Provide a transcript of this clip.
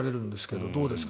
どうですか？